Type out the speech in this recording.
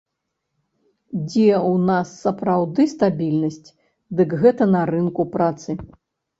Дзе ў нас сапраўды стабільнасць, дык гэта на рынку працы.